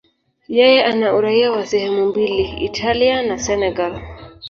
Yeye ana uraia wa sehemu mbili, Italia na Senegal.